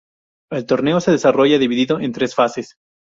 El torneo se desarrolla dividido en tres fases.